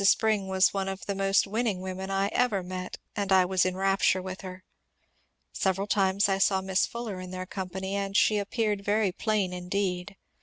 Spring was one of the most win ning women I ever met, and I was in rapture with her. Several times I saw Miss Fuller in their company, and she appeared very plain indeed.